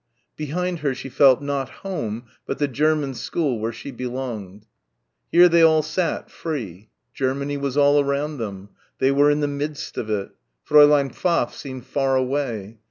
Behind her she felt, not home but the German school where she belonged. Here they all sat, free. Germany was all around them. They were in the midst of it. Fräulein Pfaff seemed far away....